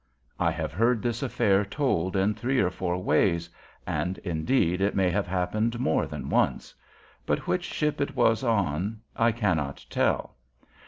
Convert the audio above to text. I have heard this affair told in three or four ways, and, indeed, it may have happened more than once. But which ship it was on I cannot tell.